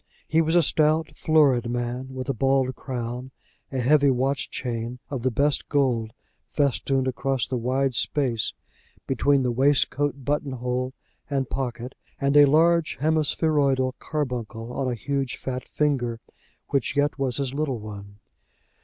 He was a stout, florid man, with a bald crown, a heavy watch chain of the best gold festooned across the wide space between waistcoat button hole and pocket, and a large hemispheroidal carbuncle on a huge fat finger, which yet was his little one.